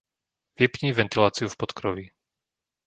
Vypni ventiláciu v podkroví.